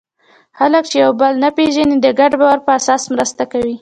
خلک چې یو بل نه پېژني، د ګډ باور په اساس مرسته کوي.